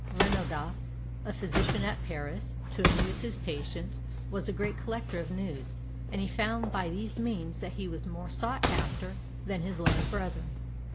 Renaudot, a physician at Paris, to amuse his patients was a great collector of news; and he found by these means that he was more sought after than his learned brethren.